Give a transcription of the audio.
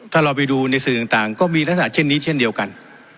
ถ้าเราไปดูในสื่อต่างก็มีลักษณะเช่นนี้เช่นเดียวกัน